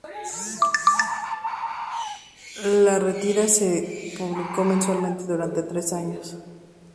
La tira se publicó mensualmente durante tres años.